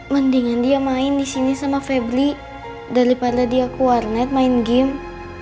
mendingan dia main disini sama feblik daripada dia ke warnet main game